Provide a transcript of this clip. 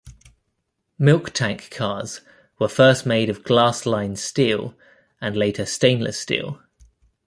Milk tank cars were first made of glass-lined steel, and later of stainless steel.